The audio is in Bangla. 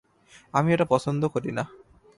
আমি এটা পছন্দ করি না।